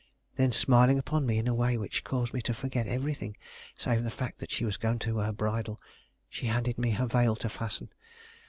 Then, smiling upon me in a way which caused me to forget everything save the fact that she was going to her bridal, she handed me her veil to fasten.